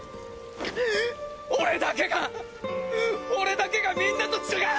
俺だけが俺だけがみんなと違う！